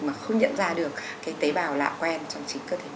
mà không nhận ra được cái tế bào lạ quen trong chính cơ thể